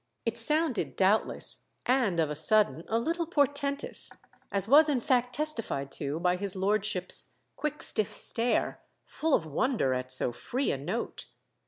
It sounded doubtless, and of a sudden, a little portentous—as was in fact testified to by his lordship's quick stiff stare, full of wonder at so free a note.